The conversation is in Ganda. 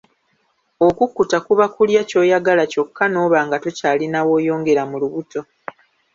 Okukutta kuba kulya ky'oyagala ky'okka n'oba nga tokyalina w'oyongera mu lubuto.